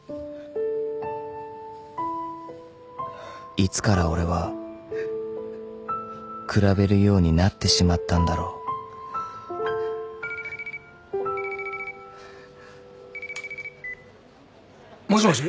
［いつから俺は比べるようになってしまったんだろう］もしもし？